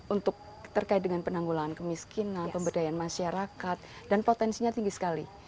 untuk terkait dengan penanggulangan kemiskinan pemberdayaan masyarakat dan potensinya tinggi sekali